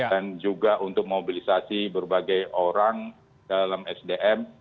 dan juga untuk mobilisasi berbagai orang dalam sdm